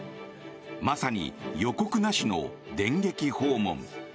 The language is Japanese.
まさに予告なしの電撃訪問。